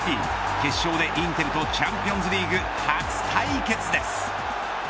決勝でインテルとチャンピオンズリーグ初対決です。